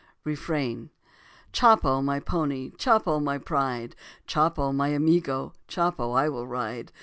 Refrain: Chopo, my pony, Chopo, my pride, Chopo, my amigo, Chopo I will ride.